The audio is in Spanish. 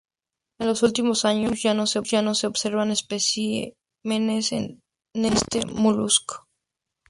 En los últimos años, ya no se observan especímenes de este molusco.